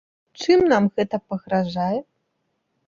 Чым нам гэта пагражае?